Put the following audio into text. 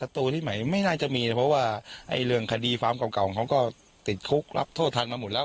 ตัวที่ใหม่ไม่น่าจะมีเพราะว่าเรื่องคดีฟาร์มเก่าของเขาก็ติดคุกรับโทษทันมาหมดแล้ว